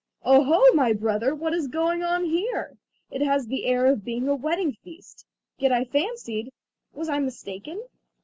"Oh, ho, my brother! what is going on here? It has the air of being a wedding feast. Yet I fancied—was I mistaken?